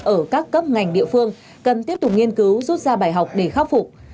ở các cấp ngành địa phương cần tiếp tục nghiên cứu rút ra bài học để khắc phục